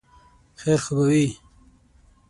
خیر خو به وي ؟